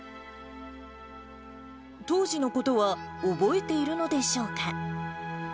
当時のことは覚えているのでしょうか。